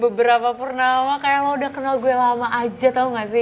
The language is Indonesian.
beberapa purnama kayak lo udah kenal gue lama aja tau gak sih